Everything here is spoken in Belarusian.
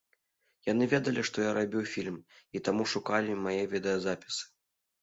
Яны ведалі, што я рабіў фільм, і таму шукалі мае відэазапісы.